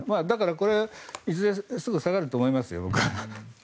だからこれ、いずれすぐ下がると思いますよ。